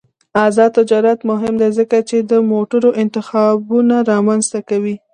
آزاد تجارت مهم دی ځکه چې د موټرو انتخابونه رامنځته کوي.